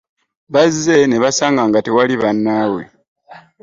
Bazze ne basanga nga tewali bannaabwe.